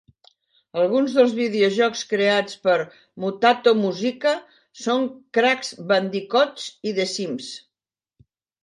Alguns dels videojocs creats per Mutato Muzika són "Crash Bandicoot" i "The Sims".